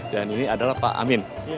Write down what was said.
dan ini adalah pak amin